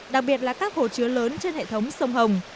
đặc biệt là các hồ chứa lớn trên hệ thống sông hồng